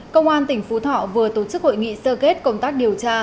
công an tỉnh phú thọ vừa tổ chức hội nghị sơ kết công tác điều tra